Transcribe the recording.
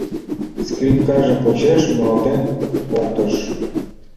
Скрипкаже почеш муралтен колтыш: